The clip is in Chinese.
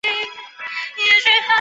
听起来真得很过瘾呢